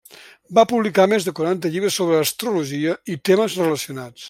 Va publicar més de quaranta llibres sobre astrologia i temes relacionats.